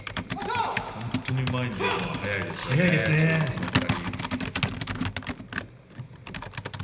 本当に前に出て来るのが速いですね、この２人。